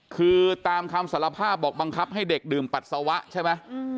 คือตามคำสารภาพบอกบังคับให้เด็กดื่มปัสสาวะใช่ไหม